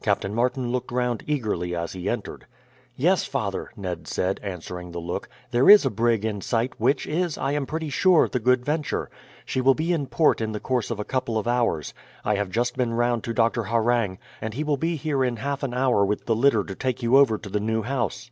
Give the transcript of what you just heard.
Captain Martin looked round eagerly as he entered. "Yes, father," Ned said, answering the look; "there is a brig in sight, which is, I am pretty sure, the Good Venture. She will be in port in the course of a couple of hours. I have just been round to Doctor Harreng, and he will be here in half an hour with the litter to take you over to the new house."